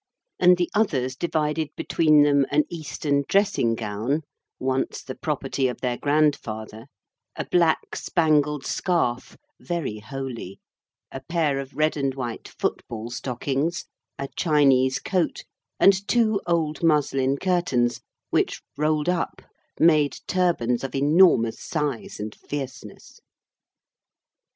And the others divided between them an eastern dressing gown, once the property of their grandfather, a black spangled scarf, very holey, a pair of red and white football stockings, a Chinese coat, and two old muslin curtains, which, rolled up, made turbans of enormous size and fierceness.